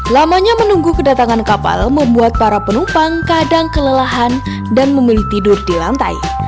lamanya menunggu kedatangan kapal membuat para penumpang kadang kelelahan dan memilih tidur di lantai